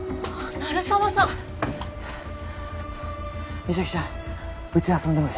鳴沢さん実咲ちゃんうちで遊んでます